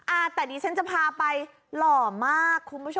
อ่าแต่ดิฉันจะพาไปหล่อมากคุณผู้ชม